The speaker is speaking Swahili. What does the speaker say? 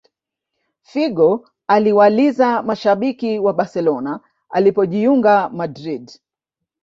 Figo aliwaliza mashabiki wa barcelona alipojiunga madrid